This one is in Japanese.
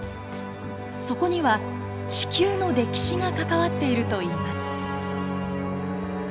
そこには地球の歴史が関わっているといいます。